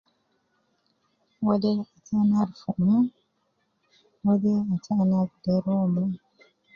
Wede ana arfunmaa wede ata ana agder uwo maa